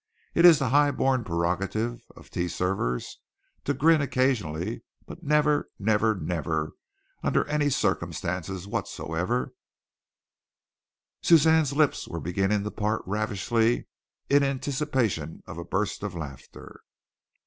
It is the high born prerogative of tea servers to grin occasionally, but never, never, never under any circumstances whatsoever " Suzanne's lips were beginning to part ravishingly in anticipation of a burst of laughter.